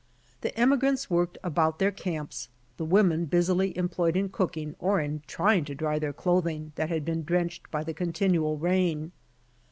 The emigrants worked about their camps, the women busily employed in cooking or in trying to dry their clothing that had been drenched by the continual rain.